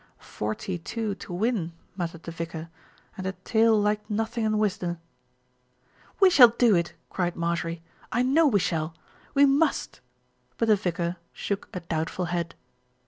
"Forty two to win," muttered the vicar, "and a tail like nothing in Wisden." "We shall do it," cried Marjorie. "I know we shall we must"; but the vicar shook a doubtful head.